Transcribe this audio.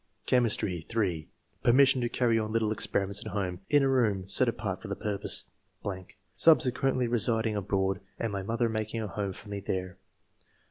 Chemistry. — (3) Penniasion to cany on little experiments at home, in a room set apart for the purpose Subsequently residing abroad and my mother making a home for me there.